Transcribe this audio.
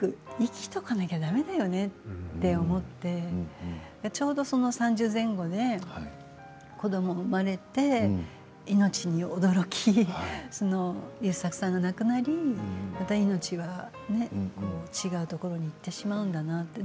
よりよく死ぬにはよりよく生きておかなければだめだよねと思ってちょうど３０前後で子どもが生まれて、命に驚き優作さんが亡くなりまた命は違うところにいってしまうんだなと。